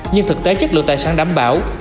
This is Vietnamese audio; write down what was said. nhưng thực tế chất lượng tài sản đảm bảo